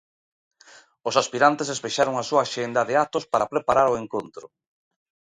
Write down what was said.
Os aspirantes despexaron a súa axenda de actos para preparar o encontro.